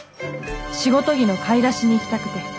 仕事着の買い出しに行きたくて。